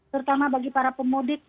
terutama bagi para pemudik